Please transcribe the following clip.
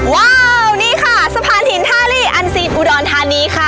ว้าวนี่ค่ะสะพานหินท่าลีอันซีนอุดรธานีค่ะ